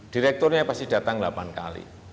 direkturnya pasti datang delapan kali